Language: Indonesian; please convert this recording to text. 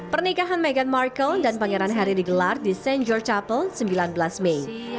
pernikahan meghan markle dan pangeran harry digelar di st george chapel sembilan belas mei